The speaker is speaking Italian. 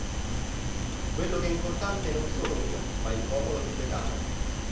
Quello che è importante non sono io, ma il popolo tibetano.